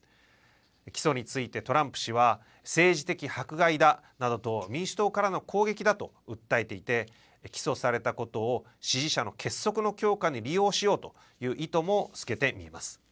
起訴についてトランプ氏は政治的迫害だなどと民主党からの攻撃だと訴えていて起訴されたことを支持者の結束の強化に利用しようという意図も透けて見えます。